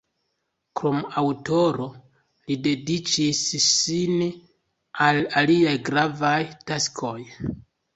Krom aŭtoro, li dediĉis sin al aliaj gravaj taskoj.